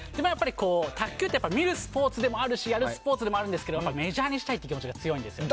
卓球って見るスポーツでもあるしやるスポーツでもあるんですがメジャーにしたいという気持ちが強いんですよね。